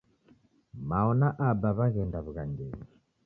Mao na Aba w'aghenda w'ughangenyi.